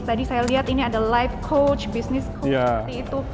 tadi saya lihat ini ada live coach bisnis seperti itu